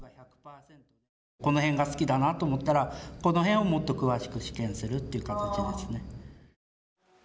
この辺が好きだなと思ったらこの辺をもっと詳しく試験するという形ですね。